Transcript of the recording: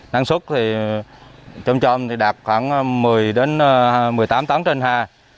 năng suất thì chôm chôm đạt khoảng một mươi một mươi tám tấn trên ha